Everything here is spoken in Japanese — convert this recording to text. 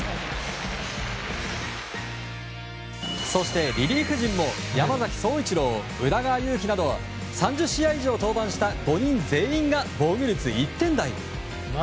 そしてリリーフ陣も山崎颯一郎、宇田川優希など３０試合以上登板した５人全員が防御率１点台。